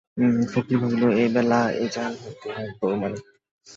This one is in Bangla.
ফকির ভাবিল, এইবেলা এখান হইতে এক দৌড় মারি।